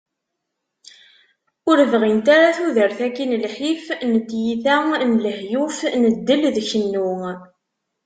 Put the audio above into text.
Ur bɣint ara tudert-aki n lḥif, n tyita, n lahyuf, n ddel d kennu.